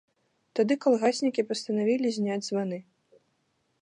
Тады калгаснікі пастанавілі зняць званы.